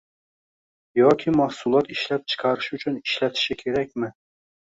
yoki mahsulot ishlab chiqarish uchun ishlatishi kerakmi